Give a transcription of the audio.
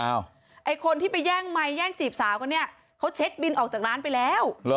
ไอ้คนที่ไปแย่งไมคแย่งจีบสาวกันเนี่ยเขาเช็คบินออกจากร้านไปแล้ว